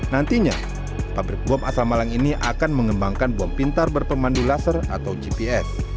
nantinya pabrik bom asal malang ini akan mengembangkan bom pintar berpemandu laser atau gps